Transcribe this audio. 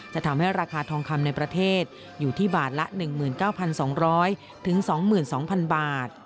จะทำให้ราคาทองคำในประเทศอยู่ที่บาทละ๑๙๒๐๐๒๒๐๐๐บาท